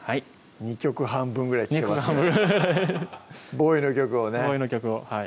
２曲半分ぐらい聴けますね